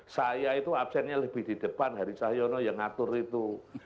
saya itu absennya lebih di depan hari cahyono yang ngatur itu